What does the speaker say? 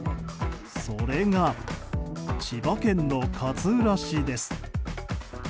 それが千葉県の勝浦市です。